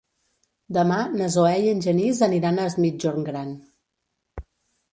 Demà na Zoè i en Genís aniran a Es Migjorn Gran.